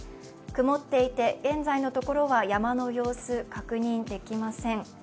曇っていて現在のところは山の様子確認できません。